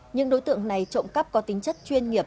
nhóm đối tượng